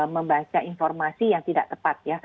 membaca informasi yang tidak tepat ya